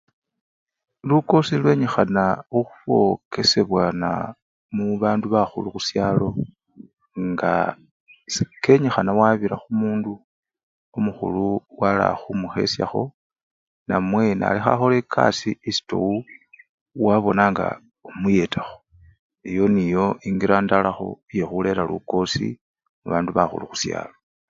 Lukosi lwenyikhana khukhwokesyenebwana nbandu bakhulu khusyalo, sekenyikhana wabira khumundu omukhulu wala khumukhesyakho namwe nali khakhola ekasii esitowu, wabona nga omuyetakho, eyo niyo engila ndalakho yekhurera lukosi mubandu bakhulu khusyalo.